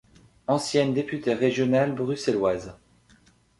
Ancienne députée régionale bruxelloise.